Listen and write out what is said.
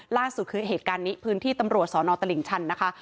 ล่าสุดคือเหตุการณ์นี้พื้นที่ตำรวจสอนอตลิ่งชันนะคะ